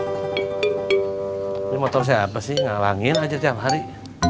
tapi motor saya apa sih ngalangin aja tiap hari